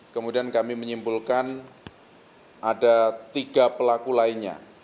kemudian kami menyimpulkan ada tiga pelaku lainnya